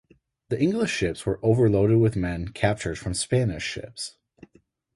The English ships were overloaded with men captured from Spanish ships.